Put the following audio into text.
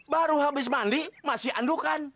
baru habis mandi masih andukan